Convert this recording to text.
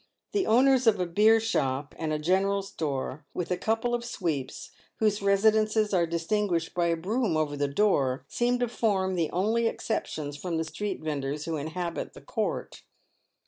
The owners of a beer shop and a general store, with a couple of sweeps, whose residences are distinguished by a broom over the door, seem to form the only exceptions from the street vendors who inhabit the court.